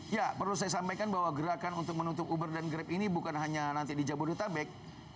ya perlu saya sampaikan bahwa gerakan untuk menutup uber dan grab ini bukan hanya nanti di jabodetabek